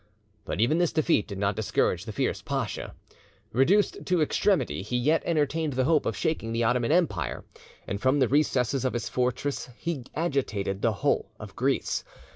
But even this defeat did not discourage the fierce pasha. Reduced to extremity, he yet entertained the hope of shaking the Ottoman Empire, and from the recesses of his fortress he agitated the whole of Greece.